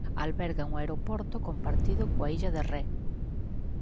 Alberga un aeroporto compartido coa Illa de Ré.